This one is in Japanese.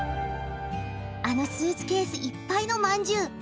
あのスーツケースいっぱいの饅頭。